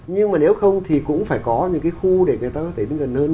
nhưng mà nếu không thì cũng phải có những cái khu để người ta có thể đến gần hơn